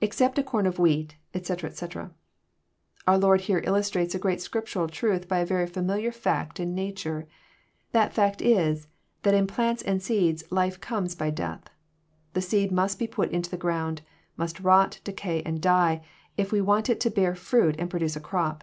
{^Except a com of wheats etc, etc.] Oor Lord here illustrates a great Scriptural tmth by a very fiuniliar fact in natare. That fact is, that in plants and seeds life comes by death. The seed most be pat into the gixmnd, most rot, decay, and die, if we want it to bear froit and produce a crop.